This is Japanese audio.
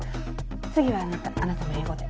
次はあなたあなたも英語で。